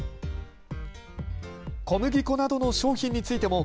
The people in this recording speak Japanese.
小麦粉などの商品についても